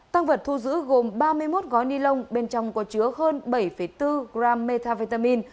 tăng vật thu giữ gồm ba mươi một gói ni lông bên trong có chứa hơn bảy bốn g metavitamin